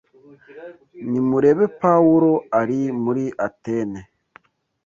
Nimurebe Pawulo ari muri Atene